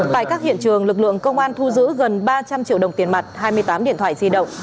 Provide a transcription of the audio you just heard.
tại các hiện trường lực lượng công an thu giữ gần ba trăm linh triệu đồng tiền mặt hai mươi tám điện thoại di động